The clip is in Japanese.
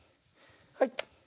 はい。